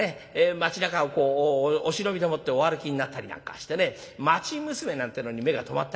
町なかをお忍びでもってお歩きになったりなんかしてね町娘なんてのに目が留まったりなんかします。